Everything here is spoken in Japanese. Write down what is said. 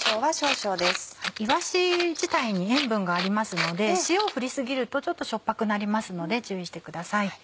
いわし自体に塩分がありますので塩を振り過ぎるとちょっとしょっぱくなりますので注意してください。